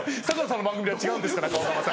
佐久間さんの番組では違うんですから。